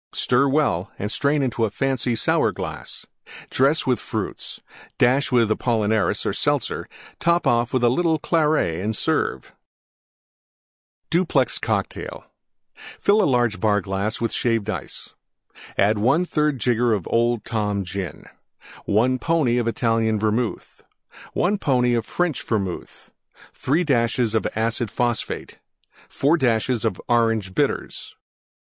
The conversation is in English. Stir well and strain into a fancy Sour glass; dress with Fruits; dash with Apollinaris or Seltzer; top off with a little Claret and serve. DUPLEX COCKTAIL Fill large Bar glass with Shaved Ice. 1/3 Jigger Old Tom Gin. 1 pony Italian Vermouth. 1 pony French Vermouth. 3 dashes Acid Phosphate. 4 dashes Orange Bitters.